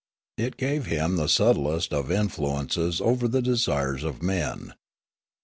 It gave him the subtlest of influences over the desires of men.